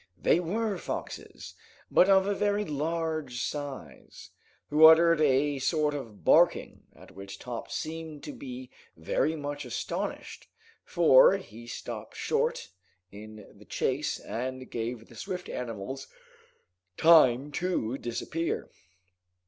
They were foxes, but of a very large size, who uttered a sort of barking, at which Top seemed to be very much astonished, for he stopped short in the chase, and gave the swift animals time to disappear.